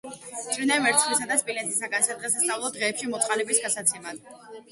ჭრიდნენ ვერცხლისა და სპილენძისაგან სადღესასწაულო დღეებში მოწყალების გასაცემად.